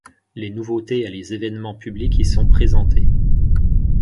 Les nouveautés et les événements publics y sont présentés.